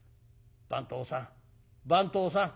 「番頭さん番頭さん」。